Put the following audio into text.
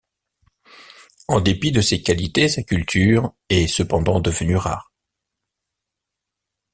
En dépit de ces qualités sa culture est cependant devenue rare.